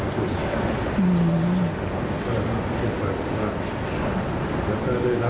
จะมีวาระการอีกเรื่องหลังที่รับเข้ามา